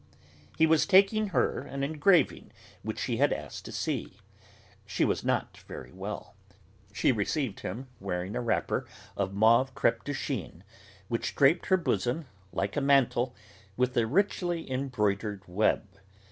He was taking her an engraving which she had asked to see. She was not very well; she received him, wearing a wrapper of mauve crêpe de Chine, which draped her bosom, like a mantle, with a richly embroidered web.